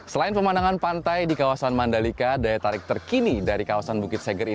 selain pemandangan pantai di kawasan mandalika daya tarik terkini dari kawasan bukit seger ini